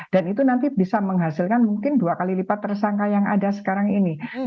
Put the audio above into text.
dan itu nanti bisa menghasilkan mungkin dua kali lipat tersangka yang ada sekarang ini